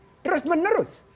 yang ini terus menerus